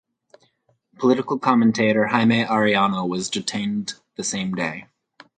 Political commentator Jaime Arellano was detained the same day.